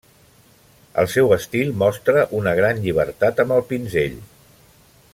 El seu estil mostra una gran llibertat amb el pinzell.